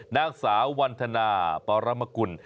นางสาววันธนาปรมกุล